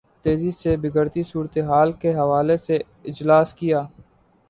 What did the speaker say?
تیزی سے بگڑتی صورت حال کے حوالے سے اجلاس کیا